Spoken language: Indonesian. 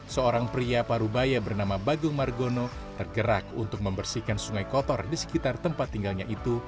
seorang pria parubaya bernama bagung margono tergerak untuk membersihkan sungai kotor di sekitar tempat tinggalnya itu